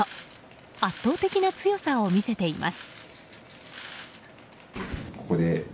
圧倒的な強さを見せています。